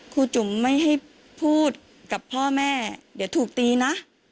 ครูจุ๋มไม่ให้พูดกับพ่อแม่เดี๋ยวถูกตีนะ